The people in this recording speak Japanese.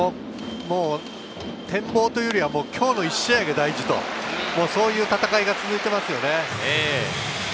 展望というよりは今日の１試合が大事、そういう戦いが続いていますよね。